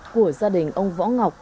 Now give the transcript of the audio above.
của gia đình ông võ ngọc